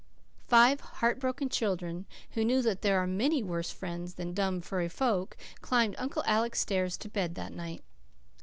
Five heart broken children, who knew that there are many worse friends than dumb, furry folk, climbed Uncle Alec's stairs to bed that night.